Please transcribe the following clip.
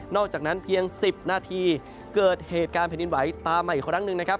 อกจากนั้นเพียง๑๐นาทีเกิดเหตุการณ์แผ่นดินไหวตามมาอีกครั้งหนึ่งนะครับ